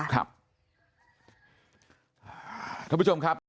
ขอบคุณผู้ชมครับ